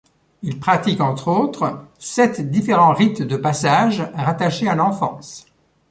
Ils pratiquent entre autres sept différents rites de passage rattachés à l’enfance.